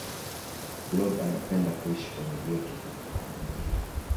blob anapenda kuishi kwenye joto kuliko kwenye baridi